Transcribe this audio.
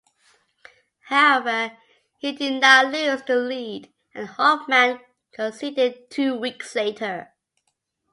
However, he did not lose the lead, and Hoffmann conceded two weeks later.